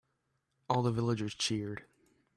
All the villagers cheered.